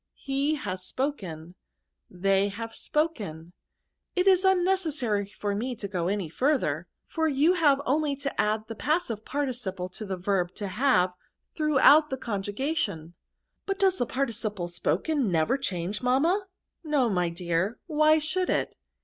He has spoken* Thej have spoken. It is nnnecessairy for me to go on any fiurther, for jou have only to add the passive parti * ciple to the yerb to bave, throughout tha conjugation* '<^ *f But does the participle spoken never change, mamma? *' No, my dear. Why should it